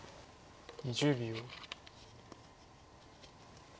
２０秒。